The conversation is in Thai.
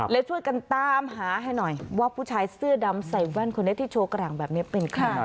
ช่วยกันตามหาให้หน่อยว่าผู้ชายเสื้อดำใส่แว่นคนนี้ที่โชว์กลางแบบนี้เป็นใคร